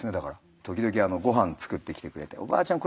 時々ごはん作ってきてくれておばあちゃん